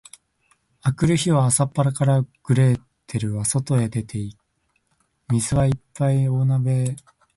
あくる日は、朝っぱらから、グレーテルはそとへ出て、水をいっぱいはった大鍋をつるして、火をもしつけなければなりませんでした。